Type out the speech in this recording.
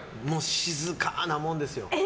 静かなもんですよ。